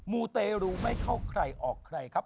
มูเตรูไม่เข้าใครออกใครครับ